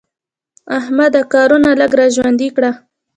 احمده کارونه لږ را ژوندي کړه.